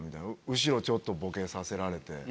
後ろちょっとボケさせられてみたいな。